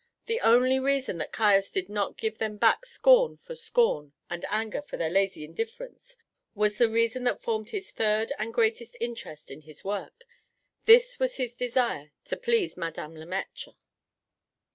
The only reason that Caius did not give them back scorn for scorn and anger for their lazy indifference was the reason that formed his third and greatest interest in his work; this was his desire to please Madame Le Maître.